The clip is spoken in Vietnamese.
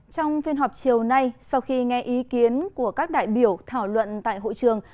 trong phiên họp chiều nay sau khi nghe ý kiến của các đại biểu thảo luận tại hội trường